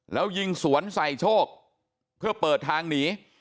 แล้วยิงสวนใส่โชคเพื่อเปิดทางหนี